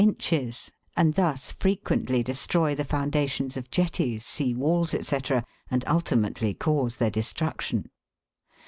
inches, and thus frequently destroy the foundations of jetties, sea walls, &c., and ultimately cause their destruction.